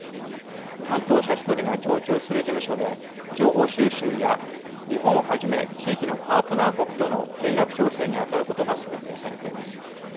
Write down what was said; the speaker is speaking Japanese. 担当者１人が常駐する事務所で情報収集や日本をはじめ地域のパートナー国との連絡調整に当たることが想定されています。